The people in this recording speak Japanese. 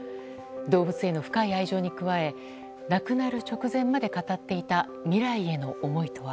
動物への深い愛情に加え亡くなる直前まで語っていた未来への思いとは。